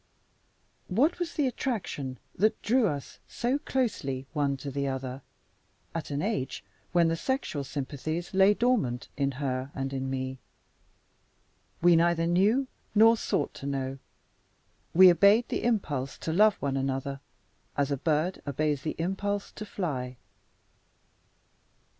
What was the attraction that drew us so closely one to the other, at an age when the sexual sympathies lay dormant in her and in me? We neither knew nor sought to know. We obeyed the impulse to love one another, as a bird obeys the impulse to fly.